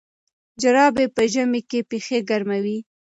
جرابې په ژمي کې پښې ګرموي.